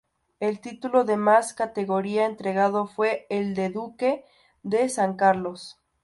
El título de más categoría entregado fue el de Duque de San Carlos.